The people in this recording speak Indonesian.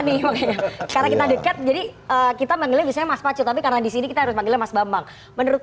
nih sama sekali kita dekat jadi kita bernyata itu tapi karena disini kita bagi hai menurut